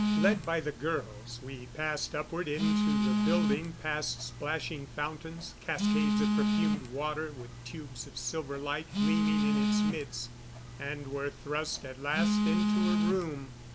Led by the girls, we passed upward into the building past splashing fountains, cascades of perfumed water with tubes of silver light gleaming in its midst; and were thrust at last into a room.